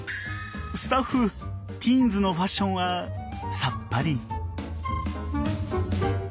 スタッフティーンズのファッションはさっぱり。